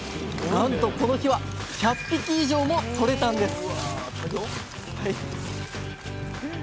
なんとこの日は１００匹以上もとれたんです！